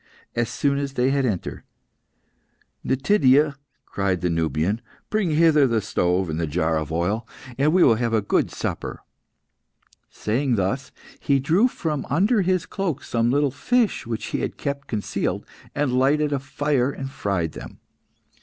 As soon as they had entered, "Nitida," cried the Nubian, "bring hither the stove and the jar of oil, and we will have a good supper." Saying thus, he drew from under his cloak some little fish which he had kept concealed, and lighted a fire and fried them.